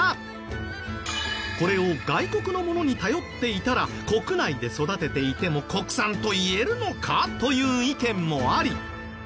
これを外国のものに頼っていたら国内で育てていても国産と言えるのか？という意見もあり。